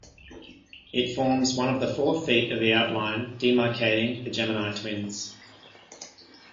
It forms one of the four feet of the outline demarcating the Gemini twins.